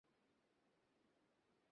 আগে কনফার্ম হও সে মৃত কিনা।